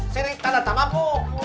sirik tanah tamapu